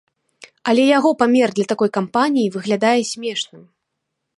Але яго памер для такой кампаніі выглядае смешным.